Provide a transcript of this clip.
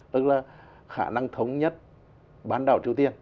tức là khả năng thống nhất bán đảo triều tiên